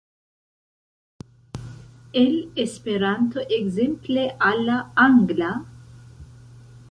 el Esperanto ekzemple al la angla?